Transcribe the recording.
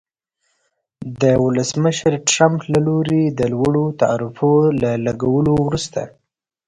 د ولسمشر ټرمپ له لوري د لوړو تعرفو له لګولو وروسته